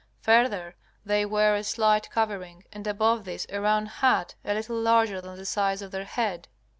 Further, they wear a slight covering, and above this a round hat a little larger than the size of their head.